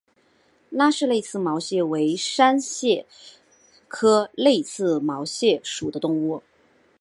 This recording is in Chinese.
拉氏泪刺毛蟹为扇蟹科泪刺毛蟹属的动物。